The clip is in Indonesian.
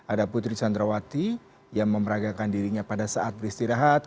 ada putri candrawati yang memeragakan dirinya pada saat beristirahat